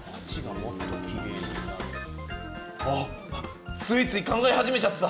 あっついつい考え始めちゃってた。